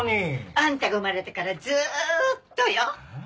あんたが生まれてからずーっとよ。